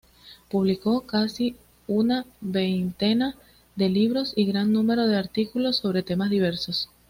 Publicó casi una veintena de libros y gran número de artículos sobre temas diversos.